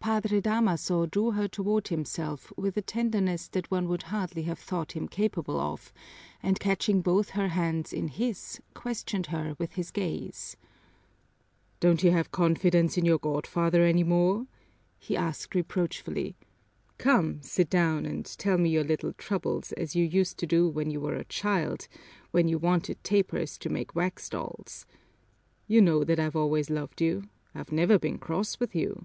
Padre Damaso drew her toward himself with a tenderness that one would hardly have thought him capable of, and catching both her hands in his questioned her with his gaze. "Don't you have confidence in your godfather any more?" he asked reproachfully. "Come, sit down and tell me your little troubles as you used to do when you were a child, when you wanted tapers to make wax dolls, You know that I've always loved you, I've never been cross with you."